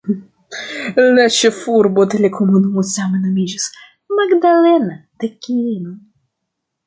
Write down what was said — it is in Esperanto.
La ĉefurbo de la komunumo same nomiĝas "Magdalena de Kino".